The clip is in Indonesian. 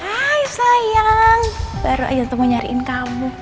hai sayang baru aja mau nyariin kamu